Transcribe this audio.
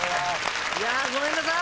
いやあごめんなさい！